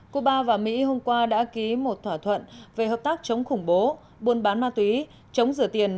cuba và mỹ hôm qua đã ký một thỏa thuận về hợp tác chống khủng bố buôn bán ma túy chống rửa tiền